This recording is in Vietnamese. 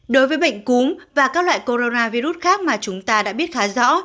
đối với bệnh cúm và các loại coronavirus khác mà chúng ta đã biết khá rõ